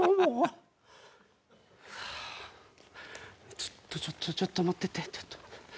ちょっとちょっとちょっと持ってて。